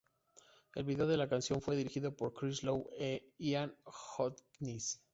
El video de la canción fue dirigido por Chris Lowe e Ian Hotchkiss.